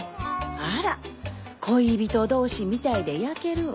あら恋人同士みたいでやけるわ。